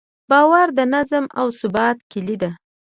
باور د نظم او ثبات کیلي ده.